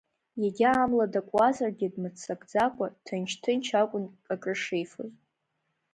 Иагьа амла дакуазаргьы дмыццакӡакәа, ҭынч-ҭынч акәын акрышифоз.